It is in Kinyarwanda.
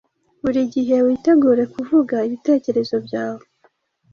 Buri gihe witegure kuvuga ibitekerezo byawe,